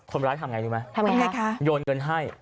คนร้ายทำยังไงดูไหมยนต์เงินให้